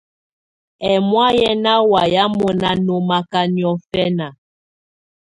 Ɛmɔ̀á yɛ́ ná wáyɛ̀á mɔ́na nɔ́maká niɔ̀fɛna.